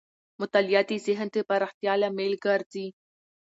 مطالعه د ذهن د پراختیا لامل ګرځي.